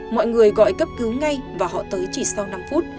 mọi người gọi cấp cứu ngay và họ tới chỉ sau năm phút